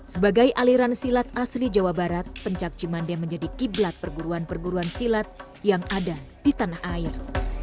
sebagai aliran silat asli jawa barat pencak cimande menjadi kiblat perguruan perguruan silat yang ada di tanah air